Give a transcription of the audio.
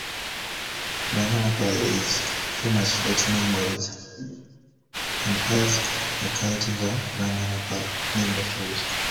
Banganapalle is famous for its mangoes and has a cultivar, "Banganapalle", named after it.